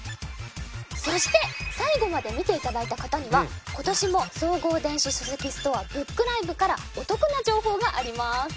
そして最後まで見て頂いた方には今年も総合電子書籍ストアＢｏｏｋＬｉｖｅからお得な情報があります。